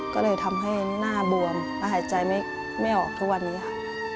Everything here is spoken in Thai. ก็เลยทำให้หน้าบวมและหายใจไม่ออกทุกวันนี้ค่ะ